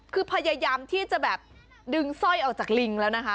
คือพยายามที่จะแบบดึงสร้อยออกจากลิงแล้วนะคะ